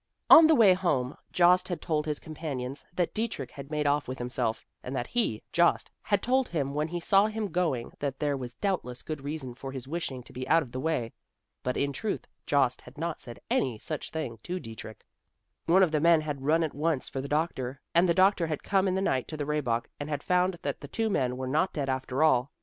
On the way home, Jost had told his companions that Dietrich had made off with himself, and that he, Jost, had told him when he saw him going that there was doubtless good reason for his wishing to be out of the way. But in truth Jost had not said any such thing to Dietrich! One of the men had run at once for the doctor, and the doctor had come in the night to the Rehbock, and had found that the two men were not dead after all.